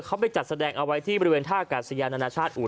เขาไปจัดแสดงเอาไว้ที่บริเวณท่ากาศยานานาชาติอูด